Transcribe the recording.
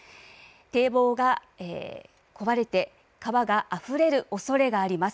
堤防が壊れて川があふれるおそれがあります。